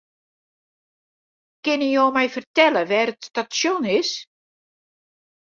Kinne jo my fertelle wêr't it stasjon is?